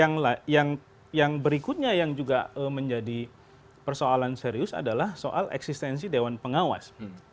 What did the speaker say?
nah yang berikutnya yang juga menjadi persoalan serius adalah soal eksistensi dewan pengawas